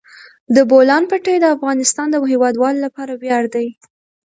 د بولان پټي د افغانستان د هیوادوالو لپاره ویاړ دی.